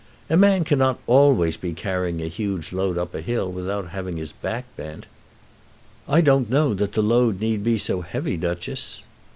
"A man cannot always be carrying a huge load up a hill without having his back bent." "I don't know that the load need be so heavy, Duchess."